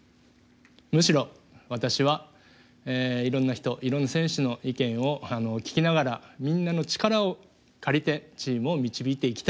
むしろ私はいろんな人いろんな選手の意見を聞きながらみんなの力を借りてチームを導いていきたい。